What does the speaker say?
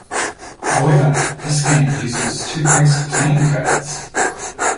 However, this game uses two packs of playing cards.